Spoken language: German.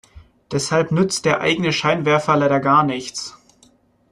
Deshalb nützt der eigene Scheinwerfer leider gar nichts.